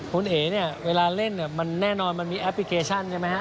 คุณเอ๋เนี่ยเวลาเล่นเนี่ยมันแน่นอนมันมีแอปพลิเคชันใช่ไหมฮะ